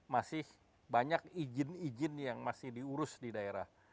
masih banyak izin izin yang masih diurus di daerah